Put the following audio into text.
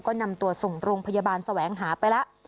ก็นำตัวส่งโรงพยาบาลแสวงหาไปแล้ว